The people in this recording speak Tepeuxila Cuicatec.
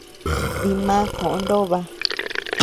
Dimá koʼö Nóba.